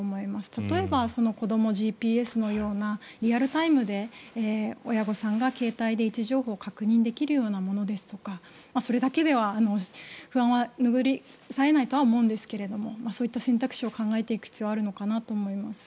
例えば、子どもＧＰＳのようなリアルタイムで親御さんが携帯で位置情報を確認できるようなものですとかそれだけでは不安は拭い去れないとは思いますがそういった選択肢を考えていく必要があるのかなと思います。